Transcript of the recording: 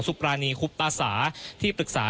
ปรานีคุบตาสาที่ปรึกษา